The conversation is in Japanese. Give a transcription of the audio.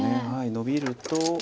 ノビると。